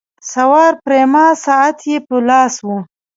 سوار پریما ساعت یې په لاس وو.